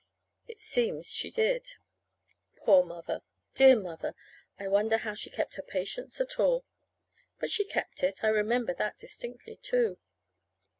It seems she did. Poor mother! Dear mother! I wonder how she kept her patience at all. But she kept it. I remember that distinctly, too.